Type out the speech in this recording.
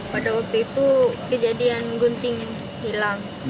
pada waktu itu kejadian gunting hilang